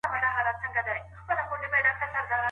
ولې کورني شرکتونه طبي درمل له چین څخه واردوي؟